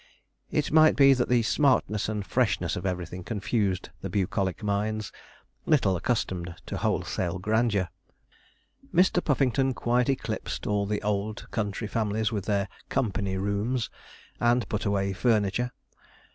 It might be that the smartness and freshness of everything confused the bucolic minds, little accustomed to wholesale grandeur. Mr. Puffington quite eclipsed all the old country families with their 'company rooms' and put away furniture.